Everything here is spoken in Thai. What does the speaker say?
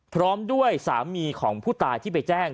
พร้อมด้วยสามีของผู้ตายที่ไปแจ้ง